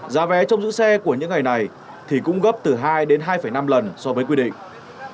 giá vé trong giữ xe của những ngày này thì cũng gấp từ hai đến hai năm lần so với quy định